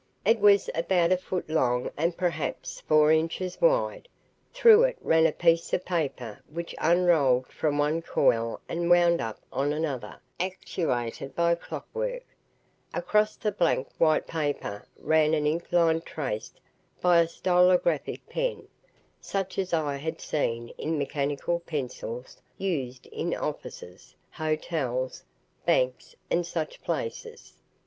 It was about a foot long and perhaps four inches wide. Through it ran a piece of paper which unrolled from one coil and wound up on another, actuated by clockwork. Across the blank white paper ran an ink line traced by a stylographic pen, such as I had seen in mechanical pencils used in offices, hotels, banks and such places.